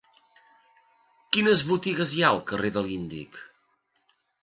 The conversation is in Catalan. Quines botigues hi ha al carrer de l'Índic?